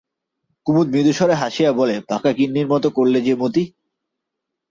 কুমুদ মৃদুস্বরে হাসিয়া বলে, পাকা গিন্নির মতো করলে যে মতি?